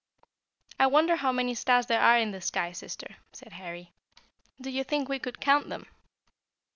"I wonder how many stars there are in the sky, sister," said Harry. "Do you think we could count them?"